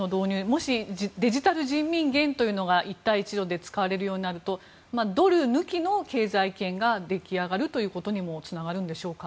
もし、デジタル人民元というのが一帯一路で使われるようになるとドル抜きの経済圏ができあがるということにもつながるんでしょうか。